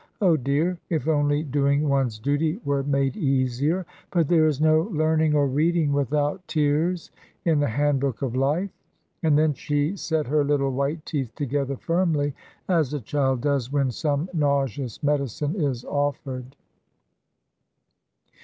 Oh dear, if only doing one's duty were made easier; but there is no 'learning or reading without tears' in the Handbook of Life;" and then she set her little white teeth together firmly, as a child does when some nauseous medicine is offered.